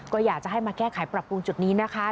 ก็อยากจะให้มาแก้ไขปรับปรุงจุดนี้นะคะ